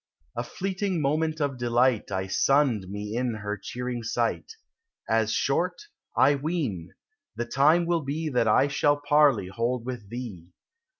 A fleeting moment of delight I sunned me in her cheering sight; As short, I ween, the time will be That I shall parley hold with thee.